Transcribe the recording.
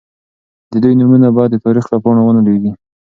د دوی نومونه باید د تاریخ له پاڼو ونه لوېږي.